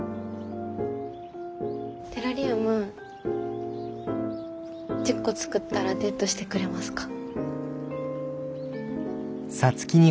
テラリウム１０個作ったらデートしてくれますか？